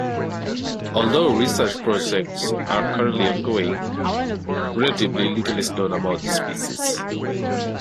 Although research projects are currently ongoing, relatively little is known about this species.